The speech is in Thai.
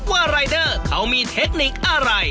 รายเดอร์เขามีเทคนิคอะไร